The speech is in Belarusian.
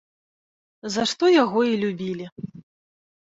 За што яго і любілі.